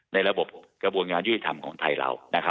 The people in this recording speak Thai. ในระบบกระบวงงานวิทยาธรรมของไทยเรา